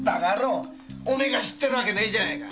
お前が知ってるわけねえじゃねえか！